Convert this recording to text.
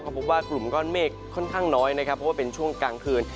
พบว่ากลุ่มก้อนเมฆค่อนข้างน้อยนะครับเพราะว่าเป็นช่วงกลางคืน